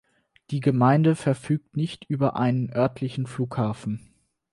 Die Gemeinde verfügt nicht über einen örtlichen Flughafen.